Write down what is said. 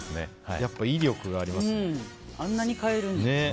やっぱり威力がありますね。